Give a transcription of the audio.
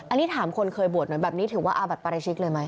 อันนี้ถามคนเคยบวชหน่อยแบบนี้ถือว่าอาบัติปราชิกเลยไหม